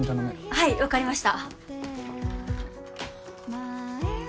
はい分かりました。